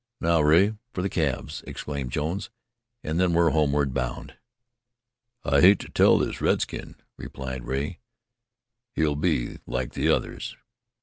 "Now, Rea, for the calves," exclaimed Jones, "And then we're homeward bound." "I hate to tell this redskin," replied Rea. "He'll be like the others.